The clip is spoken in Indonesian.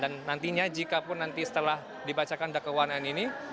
dan nantinya jikapun nanti setelah dibacakan ke satu n ini